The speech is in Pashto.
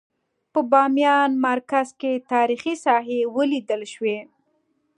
په بامیان مرکز کې تاریخي ساحې ولیدل شوې.